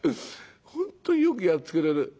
本当によくやってくれる。